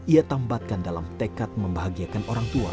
ia tambatkan dalam tekad membahagiakan orang tua